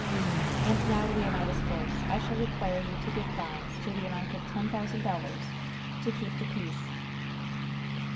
"And now, Leonidas Force, I shall require you to give bonds to the amount of ten thousand dollars to keep the peace."